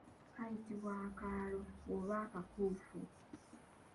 Kayitibwa akaalo oba akakufu.